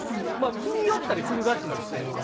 日によったりするらしいんですって。